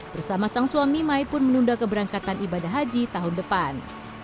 bersama sang suami mai pun menunda keberangkatan ibadah haji tahun depan